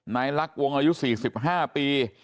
นายลักษณ์วงอายุ๔๕ปี